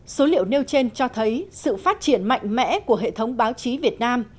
số liệu nêu trên cho thấy sự phát triển mạnh mẽ của hệ thống báo chí việt nam